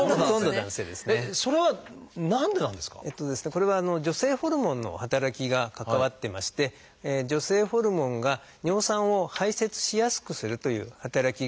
これは女性ホルモンの働きが関わってまして女性ホルモンが尿酸を排せつしやすくするという働きがあるんですね。